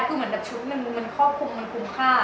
คือเหมือนชุดมันความคุ้มค่า